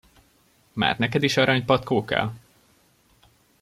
Már neked is aranypatkó kell?